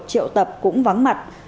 triệu tập cũng vắng mặt